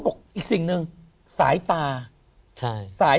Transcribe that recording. โปรดติดตามต่อไป